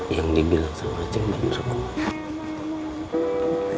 yang dibilang sama anjeng udah berurang